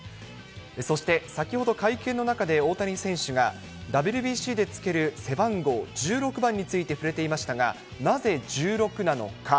そして、先ほど会見の中で大谷選手が、ＷＢＣでつける背番号１６番について触れていましたが、なぜ１６なのか。